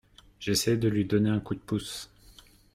J’essaie de lui donner un coup de pouce.